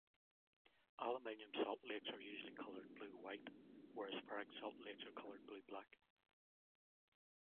Aluminium salt lakes are usually coloured blue-white, whereas ferric salt lakes are coloured blue-black.